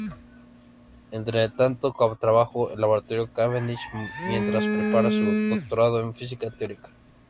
Entretanto, trabajó en el Laboratorio Cavendish mientras preparaba su doctorado en física teórica.